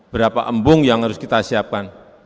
berapa embung yang harus kita siapkan